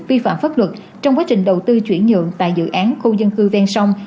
vi phạm pháp luật trong quá trình đầu tư chuyển nhượng tại dự án khu dân cư ven sông